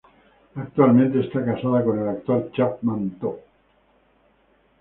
Actualmente está casada con el actor Chapman To.